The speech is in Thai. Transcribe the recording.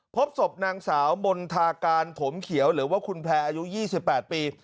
พบศพนางสาวมณฑาการถมเขียวหรือว่าคุณแพรอายุ๒๘ปี